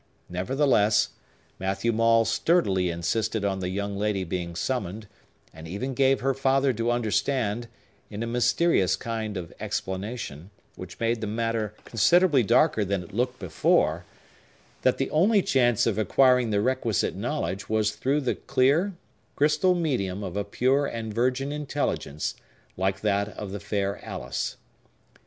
Nevertheless, Matthew Maule sturdily insisted on the young lady being summoned, and even gave her father to understand, in a mysterious kind of explanation,—which made the matter considerably darker than it looked before,—that the only chance of acquiring the requisite knowledge was through the clear, crystal medium of a pure and virgin intelligence, like that of the fair Alice.